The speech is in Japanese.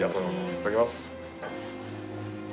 いただきます。